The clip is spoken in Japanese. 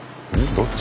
どっち？